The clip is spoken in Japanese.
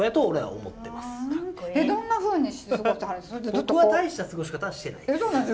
僕は大した過ごし方はしてないです。